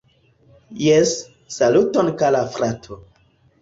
Jes, saluton kara frato